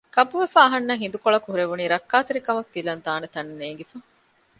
ގަބުވެފައި އަހަންނަށް ހިނދުކޮޅަކު ހުރެވުނީ ރައްކާތެރި ކަމަށް ފިލަން ދާނެ ތަނެއް ނޭނގިފަ